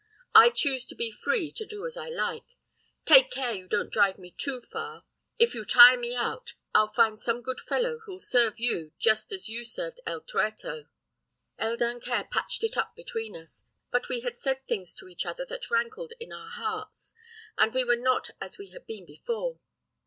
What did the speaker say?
I choose to be free to do as I like. Take care you don't drive me too far; if you tire me out, I'll find some good fellow who'll serve you just as you served El Tuerto.' "El Dancaire patched it up between us; but we had said things to each other that rankled in our hearts, and we were not as we had been before.